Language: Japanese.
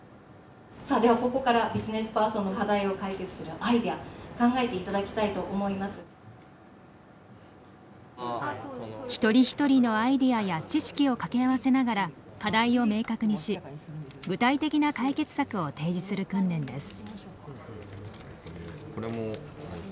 さあではここから一人一人のアイデアや知識を掛け合わせながら課題を明確にし具体的な解決策を提示する訓練です。